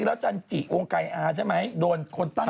โอเคอ่านต่อดีกว่าสมัยจะไม่พูด